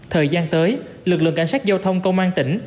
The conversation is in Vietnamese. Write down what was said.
thời gian tới lực lượng cảnh sát giao thông công an tỉnh